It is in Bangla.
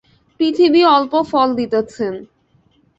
পৃথিবী অল্প ফল দিতেছেন।